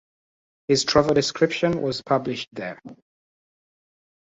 His travel description was published there.